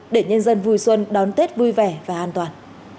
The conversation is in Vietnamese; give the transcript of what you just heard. để nhân dân vui xuân đón tết vui vẻ và an toàn